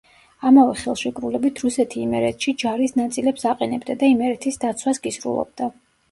ამავე ხელშეკრულებით, რუსეთი იმერეთში ჯარის ნაწილებს აყენებდა და იმერეთის დაცვას კისრულობდა.